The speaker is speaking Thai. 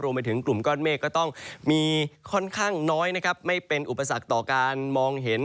รวมไปถึงกลุ่มก้อนเมฆก็ต้องมีค่อนข้างน้อยนะครับ